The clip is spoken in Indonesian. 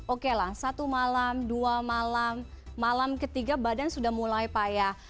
oke lah satu malam dua malam malam ketiga badan sudah mulai payah